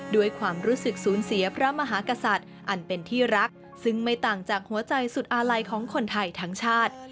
ด้วยความรู้สึกสูญเสียพระมหากษัตริย์อันเป็นที่รักซึ่งไม่ต่างจากหัวใจสุดอาลัยของคนไทยทั้งชาติ